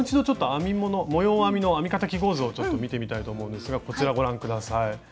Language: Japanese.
編みの編み方記号図を見てみたいと思うんですがこちらご覧下さい。